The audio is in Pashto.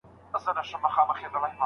د کندهار صنعت کي د تولید لګښت څنګه کمېږي؟